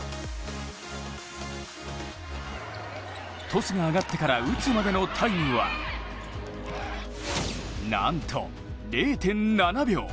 トスが上がってから打つまでのタイムはなんと０．７秒。